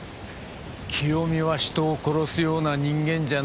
清美は人を殺すような人間じゃない。